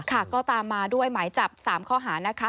ค่ะก็ตามมาด้วยหมายจับ๓ข้อหานะคะ